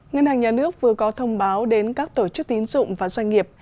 ngân hàng nhà nước vừa có thông báo đến các tổ chức tín dụng và doanh nghiệp